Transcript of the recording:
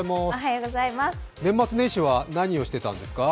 年末年始は何をしていたんですか？